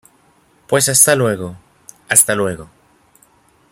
pues hasta luego. hasta luego.